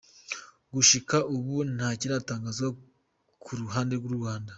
Gushika ubu nta kiratangazwa ku ruhande rw'u Rwanda.